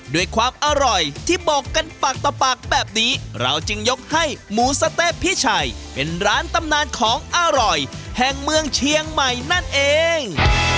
ด้วยความอร่อยที่บอกกันปากต่อปากแบบนี้เราจึงยกให้หมูสะเต๊ะพี่ชัยเป็นร้านตำนานของอร่อยแห่งเมืองเชียงใหม่นั่นเอง